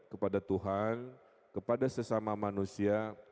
kepada tuhan kepada sesama manusia